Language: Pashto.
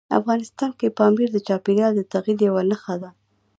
افغانستان کې پامیر د چاپېریال د تغیر یوه نښه ده.